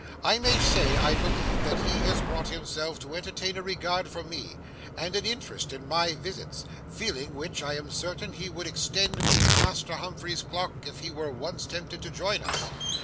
I may say, I believe, that he has brought himself to entertain a regard for me, and an interest in my visits; feelings which I am certain he would extend to Master Humphrey's Clock if he were once tempted to join us.